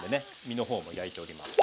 身のほうも焼いております。